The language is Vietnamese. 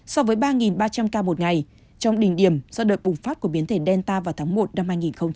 so với ba ba trăm linh ca một ngày trong đỉnh điểm do đợt bùng phát của biến thể delta vào tháng một năm hai nghìn hai mươi ba